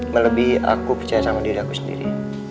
melebihi aku percaya sama diri aku sendiri